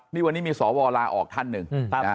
นี่วันนี้มีสวลาออกท่านหนึ่ง